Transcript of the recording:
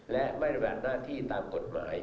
และไม่ได้บรรบัดหน้าที่ตามกฎหมาย